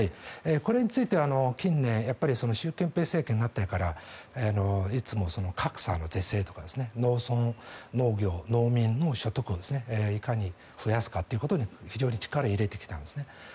これについては近年、習近平政権になってからいつも格差の是正とか農村、農業、農民の所得をいかに増やすかということに非常に力を入れてきたんですね。